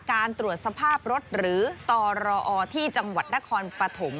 การตรวจสภาพรถหรือตรอที่จังหวัดนครปฐม